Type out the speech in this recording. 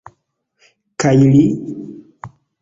Kaj li?